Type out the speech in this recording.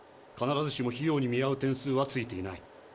必ずしも費用に見合う点数は付いていない。